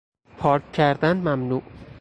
پارک کردن ممنوع